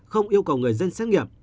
không yêu cầu người dân xét nghiệm